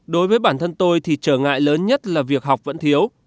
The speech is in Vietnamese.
đối với bản thân tôi thì trở ngại lớn nhất là việc học vẫn thiếu